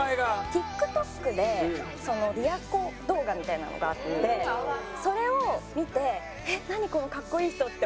ＴｉｋＴｏｋでリアコ動画みたいなのがあってそれを見て「何このかっこいい人」って思ってたんですよ。